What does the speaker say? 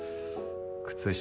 靴下